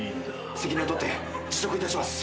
責任を取って辞職いたします。